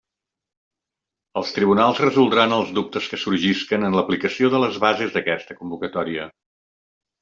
Els tribunals resoldran els dubtes que sorgisquen en l'aplicació de les bases d'aquesta convocatòria.